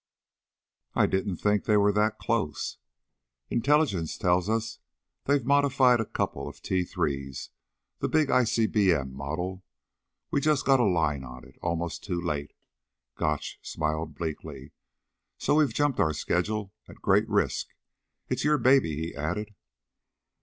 "I didn't think they were that close." "Intelligence tells us they've modified a couple of T 3's the big ICBM model. We just got a line on it ... almost too late." Gotch smiled bleakly. "So we've jumped our schedule, at great risk. It's your baby," he added.